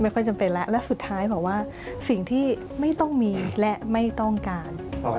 ค่อยจำเป็นแล้วและสุดท้ายบอกว่าสิ่งที่ไม่ต้องมีและไม่ต้องการ